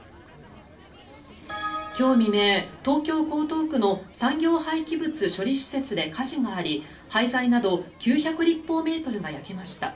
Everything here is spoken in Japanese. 今日未明、東京・江東区の産業廃棄物処理施設で火事があり廃材など９００立方メートルが焼けました。